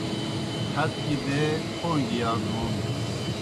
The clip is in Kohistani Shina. ہت گیْ دے پوں گیْ یازون